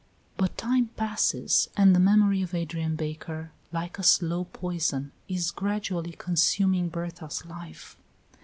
But time passes, and the memory of Adrian Baker, like a slow poison, is gradually consuming Berta's life.